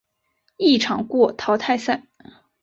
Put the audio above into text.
一场过淘汰赛。